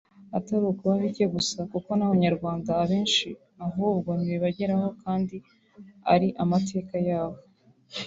atari ukuba bike gusa kuko n’abanyarwanda abenshi ahubwo ntibibageraho kandi ari amateka yabo